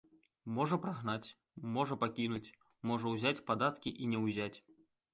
Можа прагнаць, можа пакінуць, можа ўзяць падаткі і не ўзяць.